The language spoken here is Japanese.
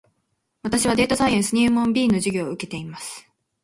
私はデータサイエンス入門 B の授業を受けています